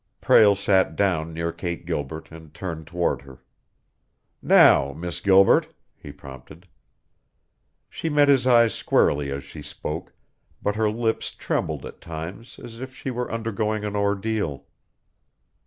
Prale sat down near Kate Gilbert and turned toward her. "Now, Miss Gilbert," he prompted. She met his eyes squarely as she spoke, but her lips trembled at times as if she were undergoing an ordeal.